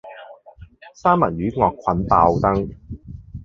三文魚惡菌爆燈